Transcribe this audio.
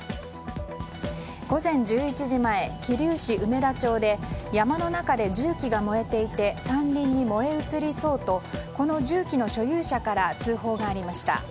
午前１１時前、桐生市梅田町で山の中で重機が燃えていて山林に燃え移りそうとこの重機の所有者から通報がありました。